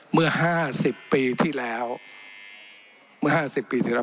เมื่อห้าสิบปีที่แล้วเมื่อห้าสิบปีที่แล้ว